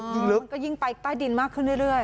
มันก็ยิ่งไปใต้ดินมากขึ้นเรื่อย